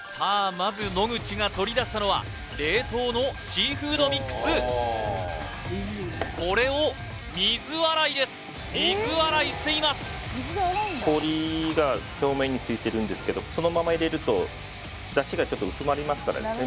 まず野口が取り出したのは冷凍のシーフードミックスこれを水洗いです水洗いしています氷が表面についてるんですけどそのまま入れると出汁がちょっと薄まりますからですね